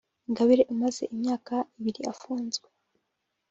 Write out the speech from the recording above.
Ingabire umaze imyaka ibiri afunzw